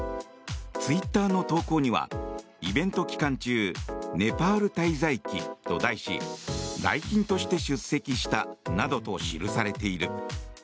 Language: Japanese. ツイッターの投稿にはイベント期間中ネパール滞在記と題し来賓として出席したなどと記されている。